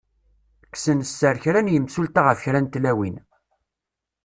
Kksen sser kra n yemsulta ɣef kra n tlawin.